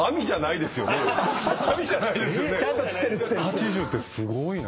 ８０ってすごいな。